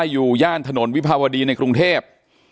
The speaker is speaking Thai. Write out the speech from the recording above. ย่านถนนวิภาวดีในกรุงเทพ